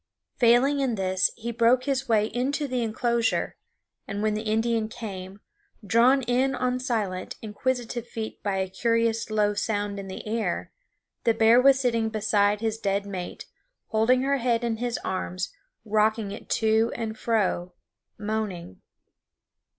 Failing in this he broke his way into the inclosure; and when the Indian came, drawn in on silent, inquisitive feet by a curious low sound in the air, the bear was sitting beside his dead mate, holding her head in his arms, rocking it to and fro, moaning.